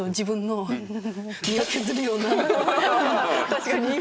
確かに。